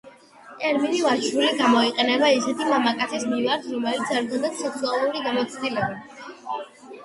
ტერმინი „ვაჟიშვილი“ გამოიყენება ისეთი მამაკაცების მიმართ, რომელთაც არ ქონიათ სექსუალური გამოცდილება.